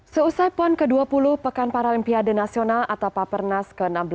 seusai pon ke dua puluh pekan paralimpiade nasional atau papernas ke enam belas